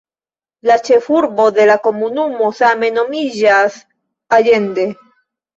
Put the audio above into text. La ĉefurbo de la komunumo same nomiĝas "Allende".